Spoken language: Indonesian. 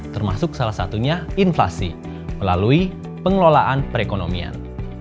termasuk salah satunya inflasi melalui pengelolaan perekonomian